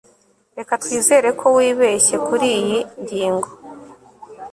reka twizere ko wibeshye kuriyi ngingo